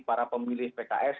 para pemilih pks